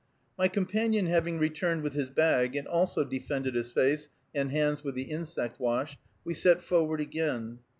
My companion having returned with his bag, and also defended his face and hands with the insect wash, we set forward again.